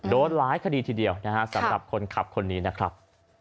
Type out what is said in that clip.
โดนหลายคดีทีเดียวนะฮะสำหรับคนขับคนนี้นะครับ